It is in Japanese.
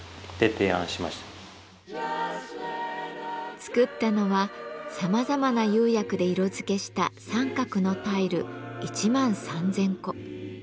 作ったのはさまざまな釉薬で色づけした三角のタイル１万３，０００個。